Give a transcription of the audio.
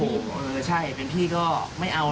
โอ้โหเออใช่เป็นพี่ก็ไม่เอา